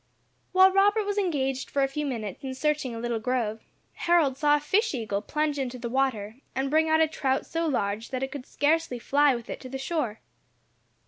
While Robert was engaged for a few minutes in searching a little grove, Harold saw a fish eagle plunge into the water, and bring out a trout so large that it could scarcely fly with it to the shore.